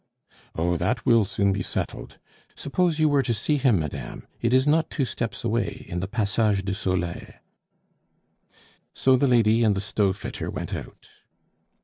"Oh, that will soon be settled. Suppose you were to see him, madame; it is not two steps away, in the Passage du Soleil." So the lady and the stove fitter went out.